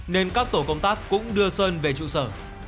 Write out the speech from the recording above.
nên các tổ công tác cũng đưa sơn về trụ sở